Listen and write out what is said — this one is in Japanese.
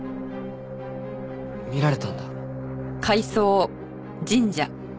見られたんだ。